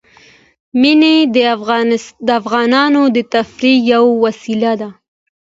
منی د افغانانو د تفریح یوه وسیله ده.